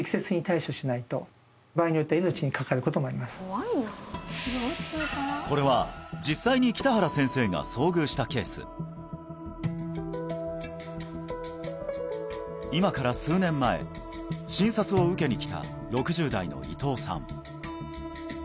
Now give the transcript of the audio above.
はいはい先生これは実際に北原先生が遭遇したケース今から数年前診察を受けに来た６０代の伊藤さん